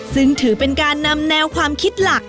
ซึ่งถือเป็นการนำแนวความคิดหลัก